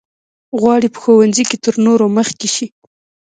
غواړي په ښوونځي کې تر نورو مخکې شي.